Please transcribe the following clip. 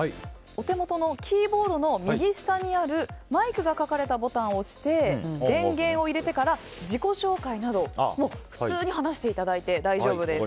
お手元のキーボードの右下にあるマイクが書かれたボタンを押して電源を入れてから、自己紹介など普通に話していただいて大丈夫です。